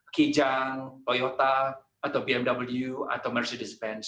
kijang toyota atau bmw atau mercedes benz